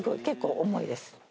結構重いです。